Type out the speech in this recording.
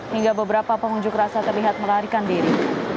hingga beberapa pengunjuk rasa terlihat melarikan diri